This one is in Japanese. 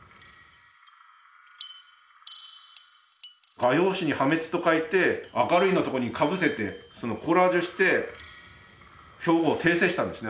画用紙に「破滅」と書いて「明るい」のとこにかぶせてコラージュして標語を訂正したんですね。